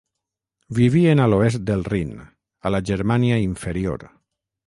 Vivien a l'oest del Rin, a la Germània Inferior.